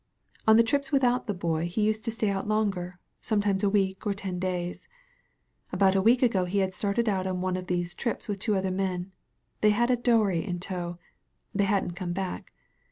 On the trips without the boy he used to stay out longer, sometimes a week or ten days. About a week ago he had started out on one of these trips with two other men. They had a dory in tow. They hadn't come back.